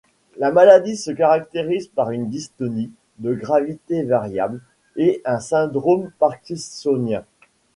La maladie se caractérise par une dystonie de gravité variable et un syndrome parkinsonien.